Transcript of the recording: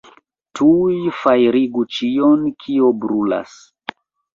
Tuj fajrigu ĉion, kio brulas!